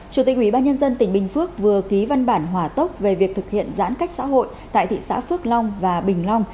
chủ tịch ubnd tỉnh bình phước vừa ký văn bản hỏa tốc về việc thực hiện giãn cách xã hội tại thị xã phước long và bình long